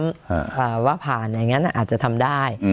อ่าว่าผ่านอย่างนั้นอาจจะทำได้